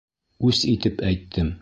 Үс итеп әйттем!